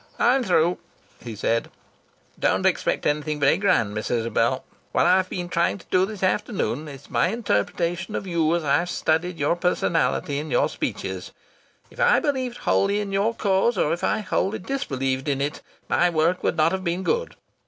"I'm through!" he said. "Don't expect anything very grand, Miss Isabel. What I've been trying to do this afternoon is my interpretation of you as I've studied your personality in your speeches. If I believed wholly in your cause, or if I wholly disbelieved in it, my work would not have been good.